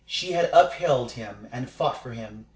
She had upheld him and fought for him.